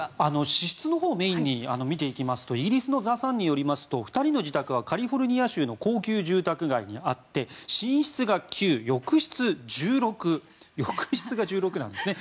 支出のほうをメインに見ていきますとイギリスのザ・サンによりますと２人の自宅はカリフォルニア州の高級住宅街にあって寝室が９、浴室１６なんですね。